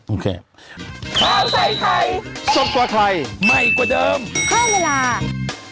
คุณผู้ชมหลายคนโดนกันคุณผู้ชมหลายคนโดนกัน